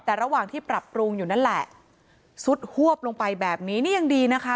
แต่ระหว่างที่ปรับปรุงอยู่นั่นแหละซุดฮวบลงไปแบบนี้นี่ยังดีนะคะ